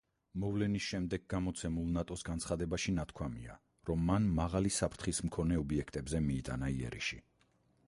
მოვლენის შემდეგ გამოცემულ ნატოს განცხადებაში ნათქვამია, რომ მან მაღალი საფრთხის მქონე ობიექტებზე მიიტანა იერიში.